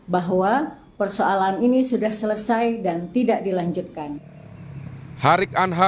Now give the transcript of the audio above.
bahwa persoalan ini sudah selesai dan tidak dilanjutkan